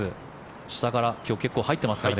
下から今日、結構入ってますからね。